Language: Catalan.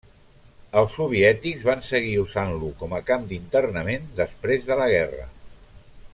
Els soviètics van seguir usant-lo com a camp d'internament després de la guerra.